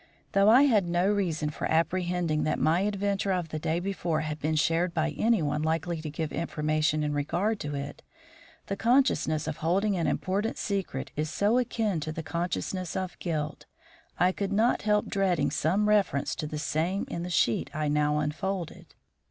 Though I had no reason for apprehending that my adventure of the day before had been shared by anyone likely to give information in regard to it, the consciousness of holding an important secret is so akin to the consciousness of guilt, I could not help dreading some reference to the same in the sheet I now unfolded.